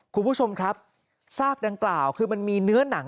คุณผู้ชมครับซากดังกล่าวคือมันมีเนื้อหนัง